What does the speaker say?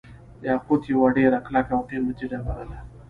یاقوت یوه ډیره کلکه او قیمتي ډبره ده.